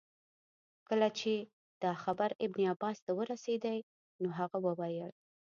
کله چي دا خبر ابن عباس ته ورسېدی نو هغه وویل.